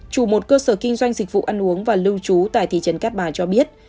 chủ một cơ sở kinh doanh dịch vụ ăn uống và lưu trú tại thị trấn cát bà cho biết